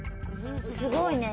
すごいね。